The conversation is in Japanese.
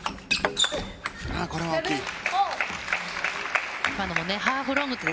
これは大きい。